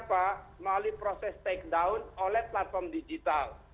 melalui proses take down oleh platform digital